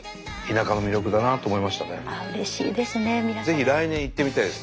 ぜひ来年行ってみたいです